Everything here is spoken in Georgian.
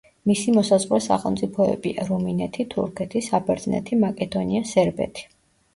მისი მოსაზღვრე სახელმწიფოებია: რუმინეთი, თურქეთი, საბერძნეთი, მაკედონია, სერბეთი.